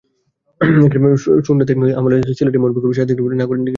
সুলতানী আমলে সিলেটের মরমী কবি সাহিত্যিকদের মধ্যে নাগরী লিপির ব্যবহার যদিও খুব বেশি ছিল।